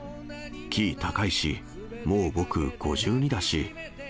キー高いし、もう僕、５２だし。